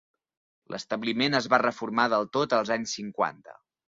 L'establiment es va reformar del tot als anys cinquanta.